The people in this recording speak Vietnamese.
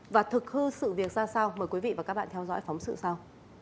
và thực hư sự việc ra sao mời quý vị và các bạn theo dõi phóng sự sau